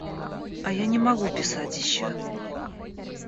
А я не могу писать еще.